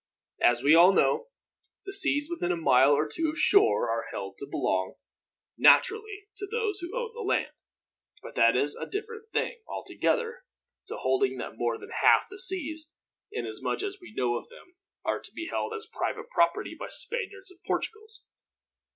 As we all know, the seas within a mile or two of shore are held to belong, naturally, to those who own the land; but that is a different thing, altogether, to holding that more than half the seas, inasmuch as we know of them, are to be held as private property by Spaniards and Portugals.